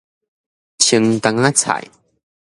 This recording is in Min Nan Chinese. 青江仔菜